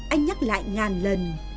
anh nhắc lại ngàn lần